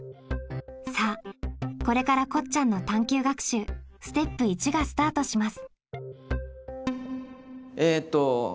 さあこれからこっちゃんの探究学習ステップ①がスタートします。